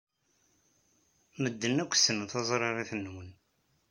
Medden akk ssnen taẓririt-nwen.